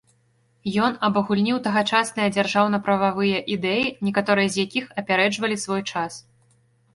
Ён абагульніў тагачасныя дзяржаўна-прававыя ідэі, некаторыя з якіх апярэджвалі свой час.